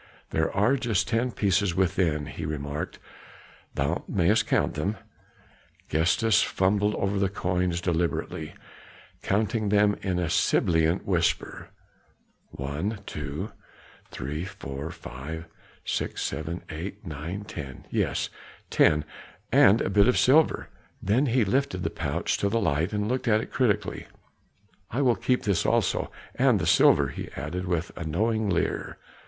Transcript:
"There are just ten pieces within," he remarked. "Thou mayest count them." Gestas fumbled over the coins deliberately, counting them in a sibilant whisper. "One two three four five six seven eight nine ten. Yes ten and a bit of silver." Then he lifted the pouch to the light and looked at it critically; "I will keep this also and the silver," he added with a knowing leer.